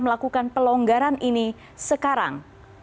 melakukan pelonggaran ini sekarang